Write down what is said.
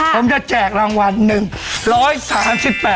ผมจะแจกรางวัล๑๓๘